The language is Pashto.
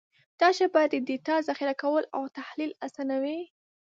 دا ژبه د ډیټا ذخیره کول او تحلیل اسانوي.